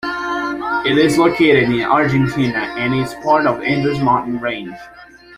It is located in Argentina and is part of the Andes Mountain Range.